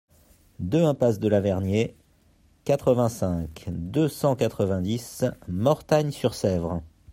deux impasse de la Vergnaie, quatre-vingt-cinq, deux cent quatre-vingt-dix, Mortagne-sur-Sèvre